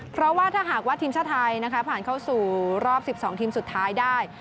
เพราะว่าถ้าหากว่าทีมชาติไทยผ่านเข้าสู่รอบ๑๒ทีมสุดท้ายได้